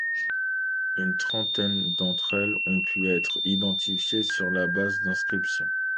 Une trentaine d'entre elles ont pu être identifiées sur la base d'inscriptions.